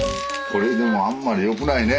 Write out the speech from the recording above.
これでもあんまり良くないね。